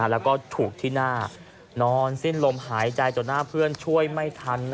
แล้วก็ถูกที่หน้านอนสิ้นลมหายใจจนหน้าเพื่อนช่วยไม่ทัน